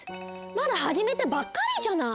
まだはじめたばっかりじゃない。